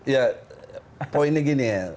ya poinnya gini ya